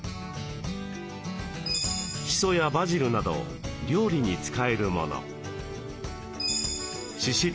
シソやバジルなど料理に使えるもの。